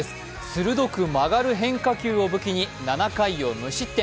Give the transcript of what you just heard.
鋭く曲がる変化球を武器に７回を無失点。